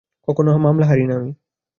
কখনো মামলা হারি না আমি।